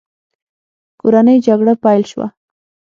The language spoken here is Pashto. کورنۍ جګړه پیل شوه.